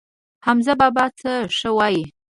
حمزه بابا څه ښه وايي.